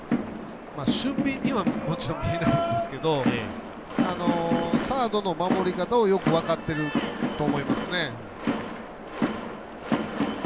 俊敏にはもちろん足りないんですけどサードの守り方をよく分かっていると思いますね。